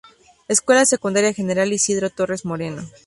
Escuela Secundaria General Isidro Torres Moreno.